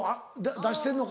出してるのか？